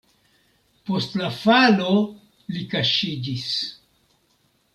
Post la falo li kaŝiĝis.